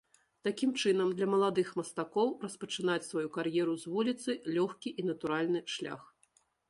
Такім чынам, для маладых мастакоў распачынаць сваю кар'еру з вуліцы лёгкі і натуральны шлях.